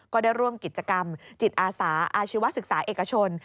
ก็ได้ร่วมกิจกรรมจิตอาสาอาชีวศึกษาเอกชน